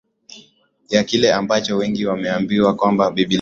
ya kile ambacho wengi wameambiwa kwamba Biblia